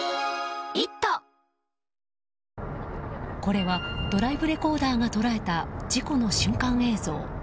これはドライブレコーダーが捉えた事故の瞬間映像。